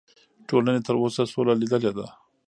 ټولنې تر اوسه سوله لیدلې ده.